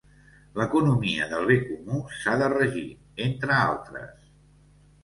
L'economia del bé comú s'ha de regir, entre altres.